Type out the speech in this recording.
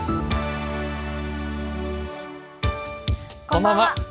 こんばんは。